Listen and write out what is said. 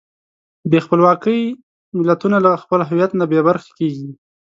بې خپلواکۍ ملتونه له خپل هویت نه بېبرخې کېږي.